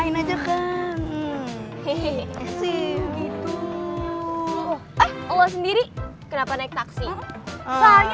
nah gitu aja